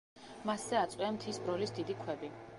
მასზე აწყვია მთის ბროლის დიდი ქვები.